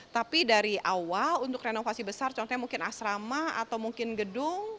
tapi dari awal untuk renovasi besar contohnya mungkin asrama atau mungkin gedung